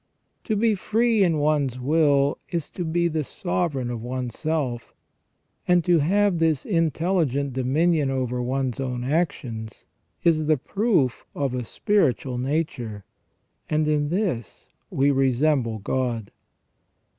To be free in one's will is to be the sovereign of one's self; and to have this intelli gent dominion over one's own actions is the proof of a spiritual nature, and in this we resemble God.